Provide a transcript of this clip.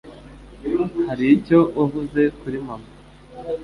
Hari icyo wavuze kuri mama.